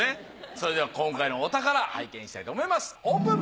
それでは今回のお宝拝見したいと思いますオープン。